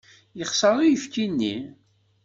Yexṣer uyefki-nni.